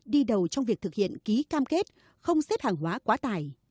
đi đầu trong việc thực hiện ký cam kết không xếp hàng hóa quá tài